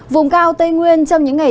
vùng cao tây nguyên trong những ngày